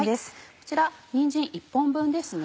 こちらにんじん１本分ですね。